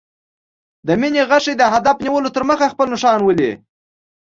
د مینې غشی د هدف نیولو تر مخه خپل نښان ولي.